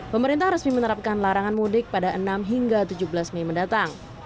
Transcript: pemerintah resmi menerapkan larangan mudik pada enam hingga tujuh belas mei mendatang